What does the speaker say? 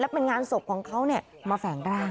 เป็นงานศพของเขามาแฝงร่าง